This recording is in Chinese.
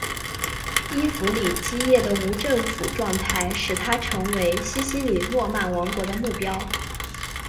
伊弗里基叶的无政府状态使它成为西西里诺曼王国的目标。